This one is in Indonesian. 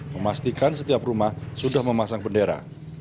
memastikan setiap rumah sudah memasang bendera